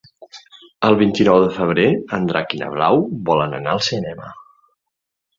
El vint-i-nou de febrer en Drac i na Blau volen anar al cinema.